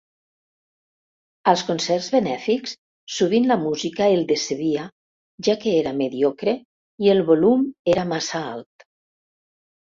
Als concerts benèfics, sovint la música el decebia, ja que era mediocre i el volum era massa alt.